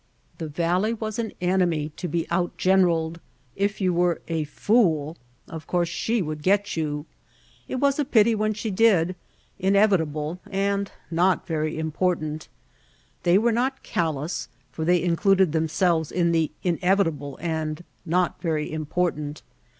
The valley was an enemy to be out [■38] The Burning Sands generaled; if you were a fool, of course she would get you. It was a pity when she did, in evitable and not very important. They were not callous, for they included themselves in the "inevitable and not very important."